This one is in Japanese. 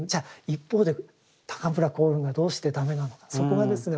一方で高村光雲がどうして駄目なのかそこがですね